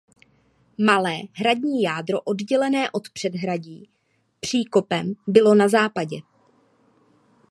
Malé hradní jádro oddělené od předhradí příkopem bylo na západě.